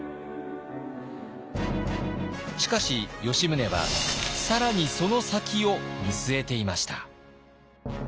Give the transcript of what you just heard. しかし吉宗は更にその先を見据えていました。